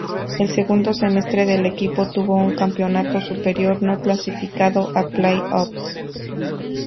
El segundo semestre el equipo tuvo un campeonato irregular no clasificando a play offs.